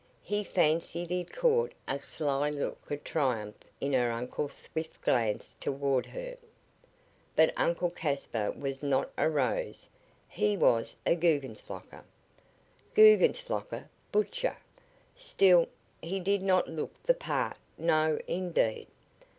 He fancied he caught a sly look of triumph in her uncle's swift glance toward her. But Uncle Caspar was not a rose he was Guggenslocker. Guggenslocker butcher! Still, he did not look the part no, indeed.